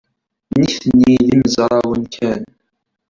Nitni d imezrawen kan.